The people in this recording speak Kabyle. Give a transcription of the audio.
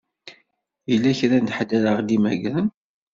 Yella kra n ḥedd ara ɣ-d-imagren?